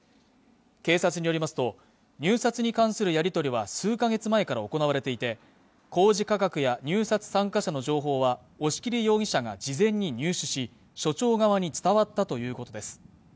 警察によりますと入札に関するやり取りは数か月前から行われていて工事価格や入札参加者の情報は押切容疑者が事前に入手し所長側に伝わったということです